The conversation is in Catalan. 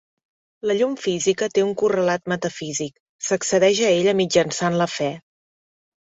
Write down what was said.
La llum física té un correlat metafísic, s'accedeix a ella mitjançant la fe.